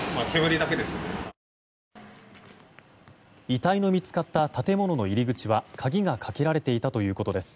遺体の見つかった建物の入り口は鍵がかけられていたということです。